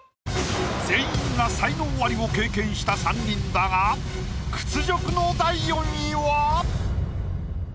全員が才能アリを経験した３人だが屈辱の。